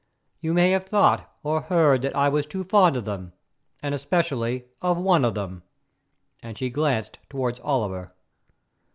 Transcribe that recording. You may have thought or heard that I was too fond of them, and especially of one of them," and she glanced toward Oliver.